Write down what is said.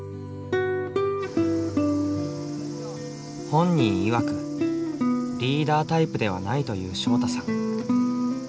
本人いわくリーダータイプではないという昇汰さん。